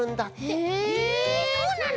へえそうなの？